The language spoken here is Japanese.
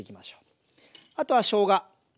あとはしょうが。